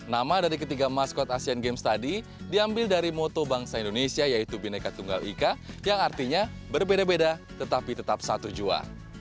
nama dari ketiga maskot asian games tadi diambil dari moto bangsa indonesia yaitu bineka tunggal ika yang artinya berbeda beda tetapi tetap satu jua